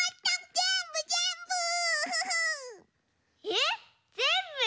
えっぜんぶ？